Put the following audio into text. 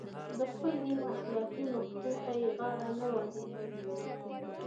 د خپل دین اخلاقي نقد ته یې غاړه نه وي ایښې.